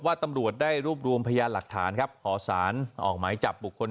ตำรวจได้รวบรวมพยานหลักฐานครับขอสารออกหมายจับบุคคล